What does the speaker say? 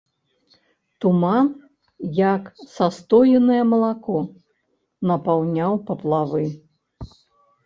Туман, як састоенае малако, напаўняў паплавы.